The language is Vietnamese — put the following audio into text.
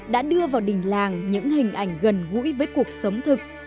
đã đưa vào đình làng những hình ảnh gần gũi với cuộc sống thực